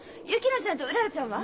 薫乃ちゃんとうららちゃんは？